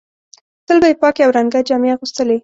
تل به یې پاکې او رنګه جامې اغوستلې.